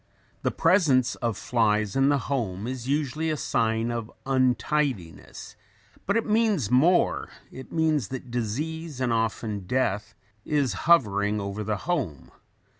] The presence of flies in the home is usually a sign of untidiness; but it means more, it means that disease and often death is hovering over the home.